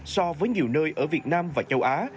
so với nhiều nơi ở việt nam và châu á